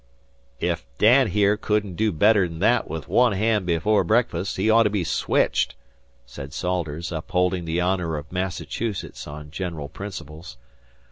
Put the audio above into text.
"If Dan here couldn't do better'n that with one hand before breakfast, he ought to be switched," said Salters, upholding the honor of Massachusetts on general principles.